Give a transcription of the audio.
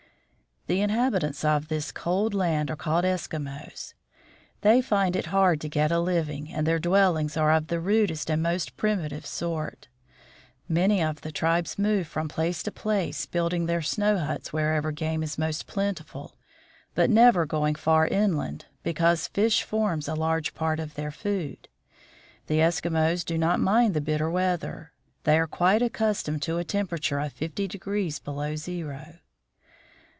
The inhabitants of this cold land are called Eskimos. They find it hard to get a living, and their dwellings are of the rudest and most primitive sort. Many of the tribes move from place to place, building their snow huts wherever game is most plentiful, but never going far inland, because fish forms a large part of their food. The Eskimos do not mind the bitter weather. They are quite accustomed to a temperature of 50 below zero.